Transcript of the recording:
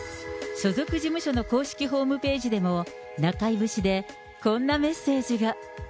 所属事務所の公式ホームページでも、中居節でこんなメッセージが。